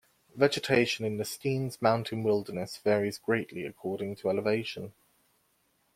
Vegetation in the Steens Mountain Wilderness varies greatly according to elevation.